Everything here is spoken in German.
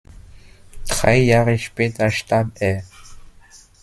Drei Jahre später starb er.